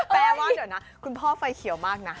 แปลว่าเดี๋ยวนะคุณพ่อไฟเขียวมากนะ